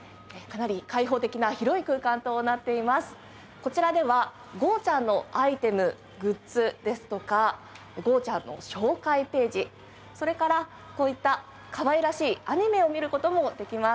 こちらではゴーちゃん。のアイテムグッズですとかゴーちゃん。の紹介ページそれからこういったかわいらしいアニメを見る事もできます。